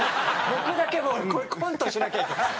僕だけコントしなきゃいけない。